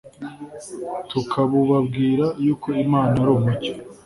tukabubabwira, yuko Imana ari umucyo,